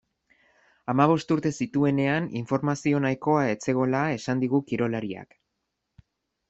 Hamabost urte zituenean informazio nahikoa ez zegoela esan digu kirolariak.